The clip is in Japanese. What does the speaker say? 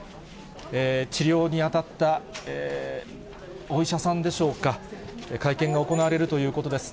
治療に当たったお医者さんでしょうか、会見が行われるということです。